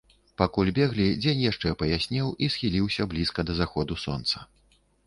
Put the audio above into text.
Пакуль беглі, дзень яшчэ паяснеў і схіліўся блізка да заходу сонца.